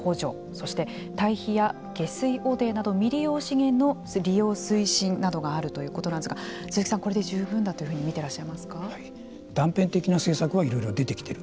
そして堆肥や下水汚泥など未利用資源の利用推進などがあるということですが鈴木さん、これで十分だというふうに断片的な政策はいろいろ出てきている。